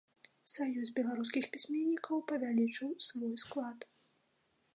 Саюз беларускіх пісьменнікаў павялічыў свой склад.